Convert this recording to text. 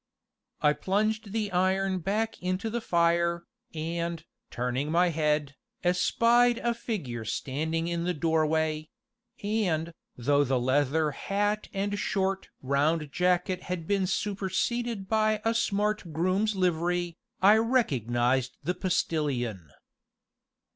I plunged the iron back into the fire, and, turning my head, espied a figure standing in the doorway; and, though the leather hat and short, round jacket had been superseded by a smart groom's livery, I recognized the Postilion.